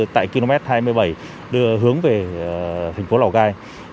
tại km hai mươi bảy đưa hướng về thành phố lào cai